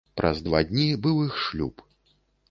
Праз два дні быў іх шлюб.